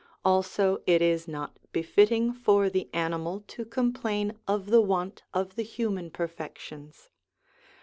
Also it is not befitting for the animal to complain of the want of the human perfections.